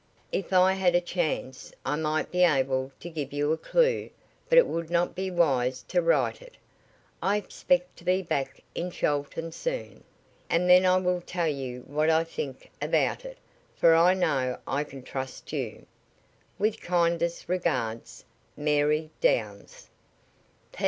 If I had a chance I might be able to give you a clue but it would not be wise to write it. I expect to be back in Chelton soon, and then I will tell you what I think about it, for I know I can trust you. "With kindest regards, "MARY DOWNS.